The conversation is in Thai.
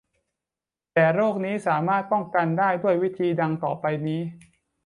แต่โรคนี้สามารถป้องกันได้ด้วยวิธีดังต่อไปนี้